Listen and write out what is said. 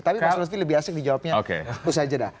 tapi mas lutfi lebih asing dijawabnya usai jedah